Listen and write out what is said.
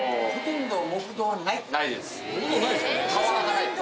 無いです。